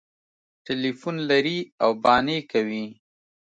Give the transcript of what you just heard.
ټلیفون لري او بهانې کوي